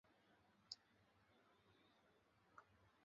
高氯酸镍可由高氯酸和氢氧化镍或碳酸镍反应得到。